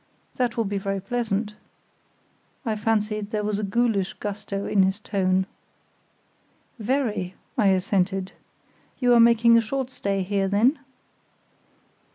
That will be very pleasant." I fancied there was a ghoulish gusto in his tone. "Very," I assented. "You are making a short stay here, then?"